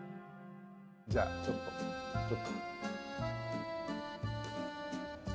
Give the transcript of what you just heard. じゃあちょっとちょっと。